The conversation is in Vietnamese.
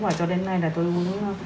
và cho đến nay là tôi uống